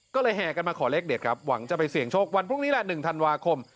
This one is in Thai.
ก็เลยแห่กันมาขอเลขเด็ดครับหวังจะไปเสี่ยงโชควันพรุ่งนี้แหละ๑ธันวาคม